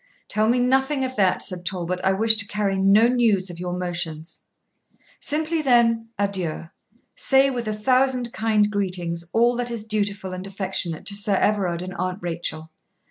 'Tell me nothing of that,' said Talbot; 'I wish to carry no news of your motions.' 'Simply, then, adieu. Say, with a thousand kind greetings, all that is dutiful and affectionate to Sir Everard and Aunt Rachel.